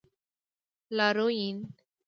لاریون